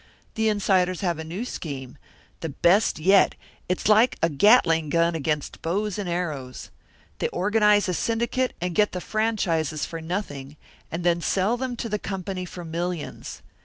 The insiders have a new scheme the best yet; it's like a Gatling gun against bows and arrows. They organise a syndicate, and get the franchises for nothing, and then sell them to the company for millions.